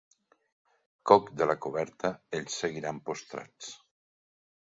Cook de la coberta ells seguiran prostrats.